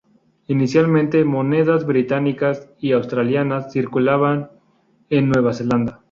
Inicialmente, monedas británicas y australianas circulaban en Nueva Zelanda.